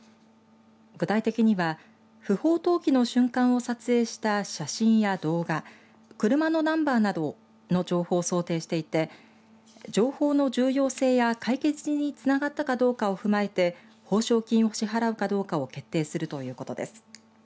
具体的には不法投棄の瞬間を撮影した写真や動画車のナンバーなどの情報を想定していて情報の重要性や解決につながったかどうかを踏まえて報奨金を支払うかどうかを決定するということです。